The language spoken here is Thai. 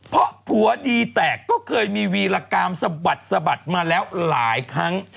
เพราะผัวดีแตกก็เคยมีวีรกรรมสะบัดสะบัดมาแล้วหลายครั้ง